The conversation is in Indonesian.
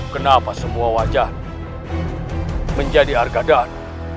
kenapa semua wajah menjadi arkadan